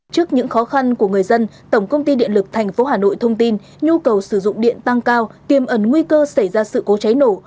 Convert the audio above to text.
trước những khó khăn của người dân tổng công ty điện lực tp hà nội thông tin nhu cầu sử dụng điện tăng cao tiềm ẩn nguy cơ xảy ra sự cố cháy nổ